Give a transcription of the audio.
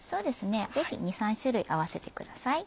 ぜひ２３種類合わせてください。